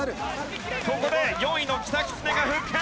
ここで４位のキタキツネが復活！